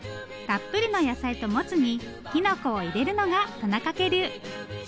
たっぷりの野菜ともつにきのこを入れるのが田中家流。